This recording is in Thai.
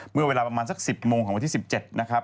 เมื่อเวลาประมาณสัก๑๐โมงของวันที่๑๗นะครับ